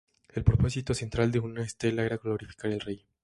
El propósito central de una estela era glorificar el rey.